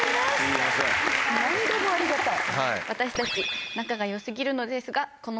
何度もありがたい。